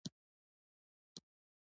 دا خو نو ډيره عجیبه وشوه